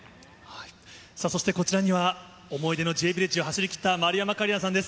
そしてこちらには想い出のＪヴィレッジを走りきった丸山桂里奈さんです。